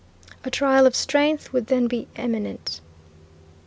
A trial of strength would then be imminent.